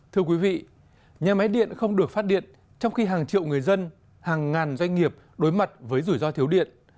thưa quý vị nhà máy điện không được phát điện trong khi hàng triệu người dân hàng ngàn doanh nghiệp đối mặt với rủi ro thiếu điện